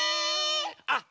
あっ！